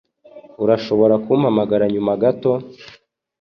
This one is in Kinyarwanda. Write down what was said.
Urashobora kumpamagara nyuma gato?